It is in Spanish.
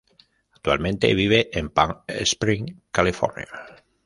Actualmente vive en Palm Springs, California.